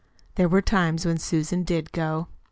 There were times when Susan did go.